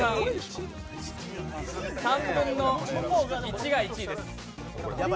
３分の１が１位です。